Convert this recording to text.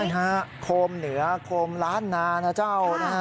ใช่ครับโคมเหนือโคมล้านนานะเจ้า